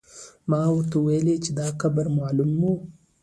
ما ورته وویل چې دا قبر معلوم و.